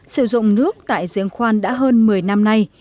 sử dụng nước tại diễn khoan đã hơn một mươi năm nay